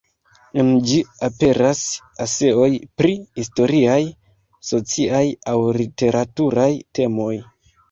En ĝi aperas eseoj pri historiaj, sociaj aŭ literaturaj temoj.